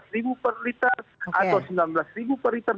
delapan belas ribu per liter atau sembilan belas ribu per liter